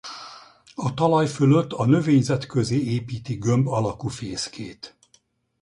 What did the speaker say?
A talaj fölött a növényzet közé építi gömb alakú fészkét.